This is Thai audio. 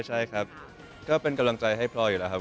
ใช่ครับก็เป็นกำลังใจให้พลอยอยู่แล้วครับ